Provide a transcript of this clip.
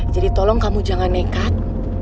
jadi tolong kamu jangan nekat